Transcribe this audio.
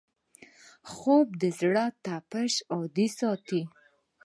خوب د زړه تپش عادي ساتي